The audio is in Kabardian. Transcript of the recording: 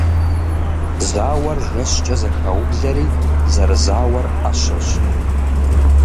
Зауэр жьэкӀэ зэхаублэри зэрызауэр Ӏэщэщ.